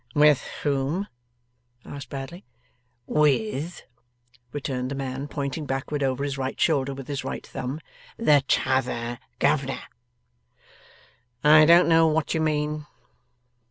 'With whom?' asked Bradley. 'With,' returned the man, pointing backward over his right shoulder with his right thumb, 'the T'other Governor?' 'I don't know what you mean.